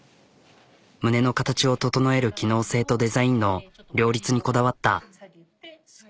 胸の形を整える機能性とデザインの両立にこだわった。